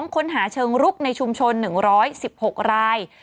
ค้นหาเชิงรุกในชุมชน๑๑๖ราย